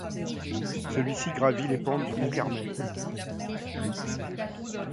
Celui-ci gravit les pentes du mont Carmel.